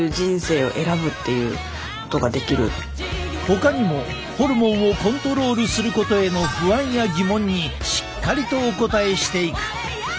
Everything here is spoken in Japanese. ほかにもホルモンをコントロールすることへの不安や疑問にしっかりとお答えしていく！